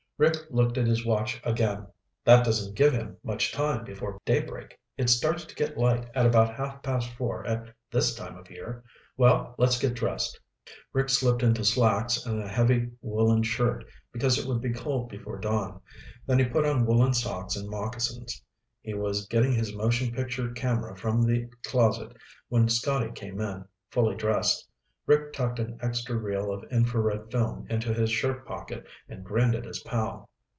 Rick looked at his watch again. "That doesn't give him much time before daybreak. It starts to get light at about half past four at this time of year. Well, let's get dressed." Rick slipped into slacks and a heavy woolen shirt, because it would be cold before dawn. Then he put on woolen socks and moccasins. He was getting his motion picture camera from the closet when Scotty came in, fully dressed. Rick tucked an extra reel of infrared film into his shirt pocket and grinned at his pal.